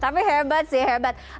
tapi hebat sih hebat